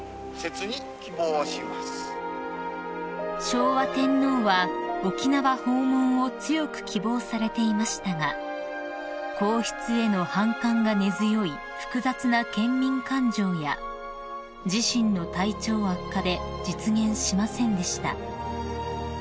［昭和天皇は沖縄訪問を強く希望されていましたが皇室への反感が根強い複雑な県民感情や自身の体調悪化で実現しませんでした］